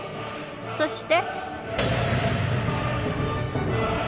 そして。